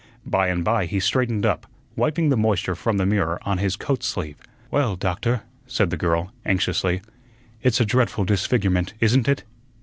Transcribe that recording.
By and by he straightened up, wiping the moisture from the mirror on his coat sleeve. "Well, Doctor," said the girl, anxiously, "it's a dreadful disfigurement, isn't it?"